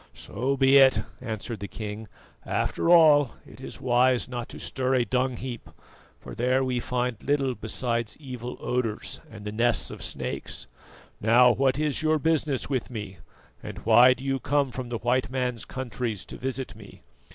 "So be it," answered the king; "after all, it is wise not to stir a dung heap, for there we find little beside evil odours and the nests of snakes. Now, what is your business with me, and why do you come from the white man's countries to visit me?